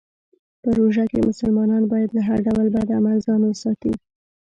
په روژه کې مسلمانان باید له هر ډول بد عمل ځان وساتي.